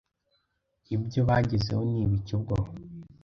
Ibyo bagezeho nibiki ubwo